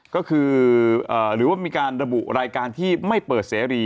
ก็คือหรือว่ามีการระบุรายการที่ไม่เปิดเสรี